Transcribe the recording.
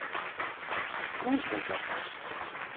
Скучно так